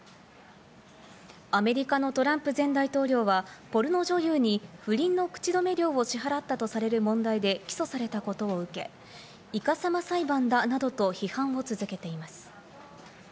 アメリカのトランプ前大統領はポルノ女優に不倫の口止め料を支払ったとされる問題で起訴されたことを受け、いかさま裁判だなどと批判を続けています。